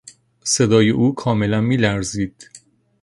صدای او کاملا میلرزید.